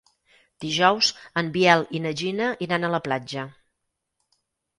Dijous en Biel i na Gina iran a la platja.